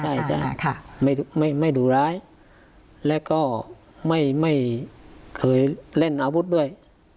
ใช่จ้ะไม่ดุร้ายแล้วก็ไม่เคยเล่นอาวุธด้วย